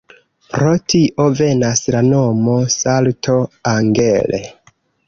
Pro tio venas la nomo "Salto Angel".